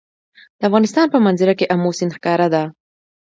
د افغانستان په منظره کې آمو سیند ښکاره ده.